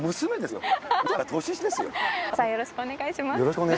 よろしくお願いします。